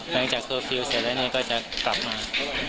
หลังจากเคอร์ฟิล์ส์เสร็จแล้วนี่ก็จะกลับมา